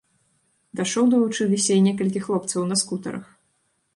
Да шоу далучыліся і некалькі хлопцаў на скутарах.